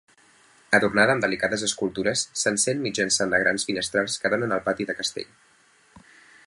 Adornada amb delicades escultures, s'encén mitjançant de grans finestrals que donen al pati de castell.